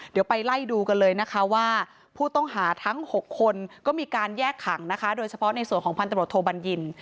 เดี๋ยวไปไล่ดูกันเลยนะคะว่าผู้ต้องหาทั้ง๖คนก็มีการแยกขังนะคะโดยเฉพาะในส่วนของพันตรวจโทบัญญิน